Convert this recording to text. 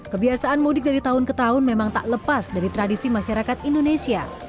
kebiasaan mudik dari tahun ke tahun memang tak lepas dari tradisi masyarakat indonesia